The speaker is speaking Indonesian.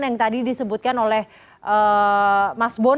yang tadi disebutkan oleh mas bon